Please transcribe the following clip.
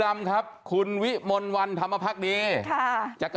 มาพักกันวิมนต์วันทำที่สุดยอดมาก